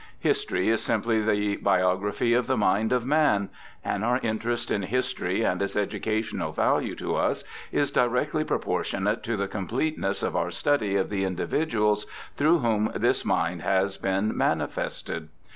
History is simply the biography of the mind of man ; and our interest in history, and its educational value to us, is directly proportionate to the completeness of our study of the individuals through whom this mind has been manifested.